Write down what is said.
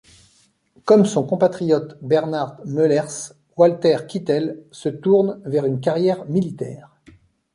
Comme son compatriote Bernhard Möllers, Walther Kittel se tourne vers une carrière militaire.